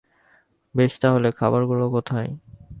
বেশ তাহলে, খাবার গুলো কোথায়।